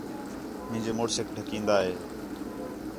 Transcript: مینجے مُݨسیک ݙکھین٘دا ہے